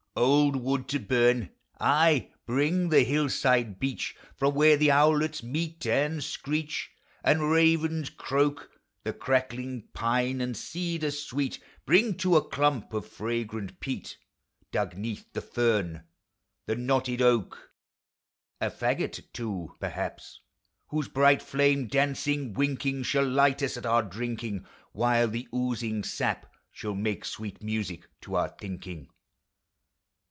31)0 POEMS OF FMEXD8HIP. Old wood to burn !— Ay, bring the hillside beech From where the owlets meet and screech, And ravens croak ; The crackling pine, and cedar sweet; Bring too a clump of fragrant peat, Dug 'neath the fern ; The kuotted oak, A fagot too, perhaps, Whose bright flame, dancing, winking. Shall light us at our drinking; While the oozing sap Shall make sweet music to our thinking.